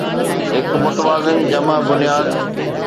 هڪ متوازن جمع بنياد